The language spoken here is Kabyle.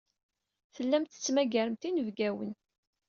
Tellamt tettmagaremt inebgawen.